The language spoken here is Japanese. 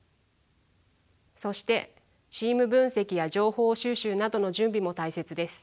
そしてチーム分析や情報収集などの準備も大切です。